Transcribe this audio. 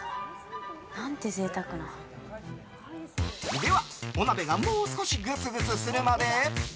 では、お鍋がもう少しグツグツするまで。